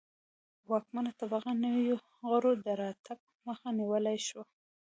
واکمنه طبقه نویو غړو د راتګ مخه نیولای شوه